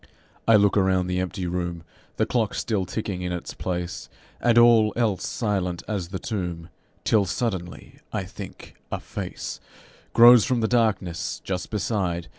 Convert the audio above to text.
I look around the empty room, The clock still ticking in its place, And all else silent as the tomb, Till suddenly, I think, a face Grows from the darkness just beside.